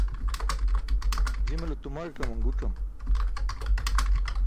Jimale tumaẏ kaman guc̣am.